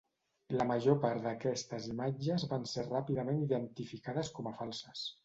La major part d’aquestes imatges van ser ràpidament identificades com a falses.